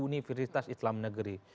jadi universitas islam negeri